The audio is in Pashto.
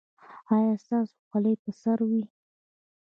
ایا ستاسو خولۍ به پر سر وي؟